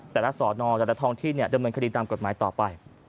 แต่ละสอนอแต่ละท้องที่ดำเนินคดีตามกฎหมายต่อไป